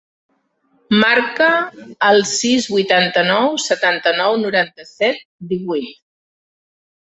Marca el sis, vuitanta-nou, setanta-nou, noranta-set, divuit.